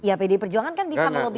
ya pdi perjuangan kan bisa melobi